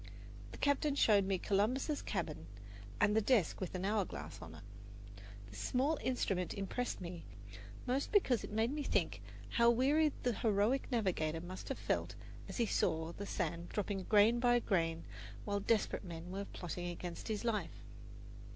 The captain showed me Columbus's cabin and the desk with an hour glass on it. This small instrument impressed me most because it made me think how weary the heroic navigator must have felt as he saw the sand dropping grain by grain while desperate men were plotting against his life.